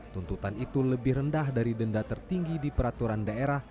tuntutan itu lebih rendah dari denda tertinggi di peraturan daerah